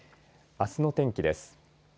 あすの天気です。